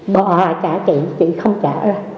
bà trả chị chị không trả